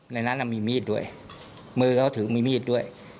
ในนั้นมีมีดด้วยมือเขาถือมีมีดด้วย